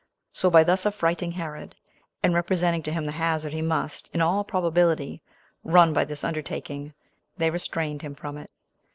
So by thus affrighting Herod, and representing to him the hazard he must, in all probability, run by this undertaking, they restrained him from it.